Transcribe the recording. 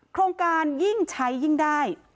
โครงการยิ่งใช้ยิ่งได้